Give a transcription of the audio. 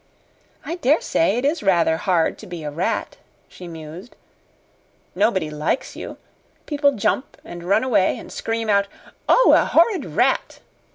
"I dare say it is rather hard to be a rat," she mused. "Nobody likes you. People jump and run away and scream out, 'Oh, a horrid rat!'